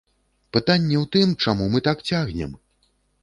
Пытанне ў тым, чаму мы так цягнем?